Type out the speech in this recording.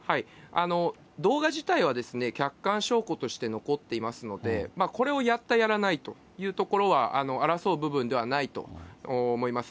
動画自体は客観証拠として残っていますので、これをやった、やらないというところは争う部分ではないと思います。